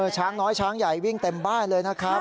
ช้างน้อยช้างใหญ่วิ่งเต็มบ้านเลยนะครับ